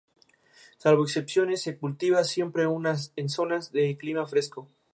Salvo excepciones se cultiva siempre en zonas de clima fresco.